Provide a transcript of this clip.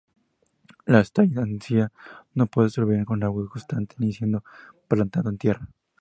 Las "Tillandsia" no puede sobrevivir con agua constante, ni siendo plantado en tierra.